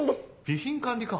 備品管理課？